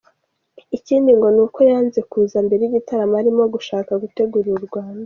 Ikindi ngo ni uko yanze kuza mbere y’igitaramo arimo gushaka gutegurira mu Rwanda.